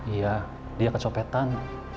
iya dia kecopetan